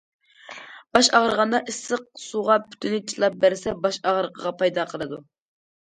باش ئاغرىغاندا ئىسسىق سۇغا پۇتىنى چىلاپ بەرسە، باش ئاغرىقىغا پايدا قىلىدۇ.